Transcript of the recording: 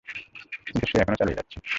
কিন্তু সে এখনও চালিয়ে যাচ্ছে।